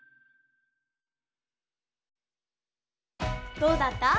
どうだった？